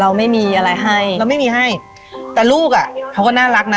เราไม่มีอะไรให้เราไม่มีให้แต่ลูกอ่ะเขาก็น่ารักนะ